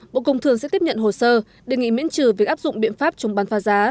bộ công thương sẽ tiếp nhận hồ sơ đề nghị miễn trừ việc áp dụng biện pháp chống bán pha giá